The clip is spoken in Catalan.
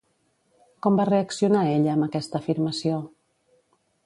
Com va reaccionar ella amb aquesta afirmació?